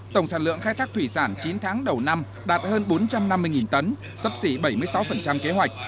tỉnh tháng đầu năm đạt hơn bốn trăm năm mươi tấn sấp xỉ bảy mươi sáu kế hoạch